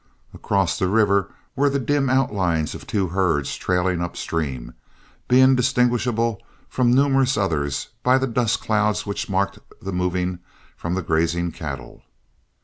Across the river were the dim outlines of two herds trailing upstream, being distinguishable from numerous others by the dust clouds which marked the moving from the grazing cattle.